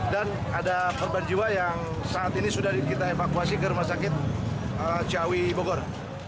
dan ada korban jiwa yang saat ini sudah kita evakuasi ke rumah sakit ciawi bogor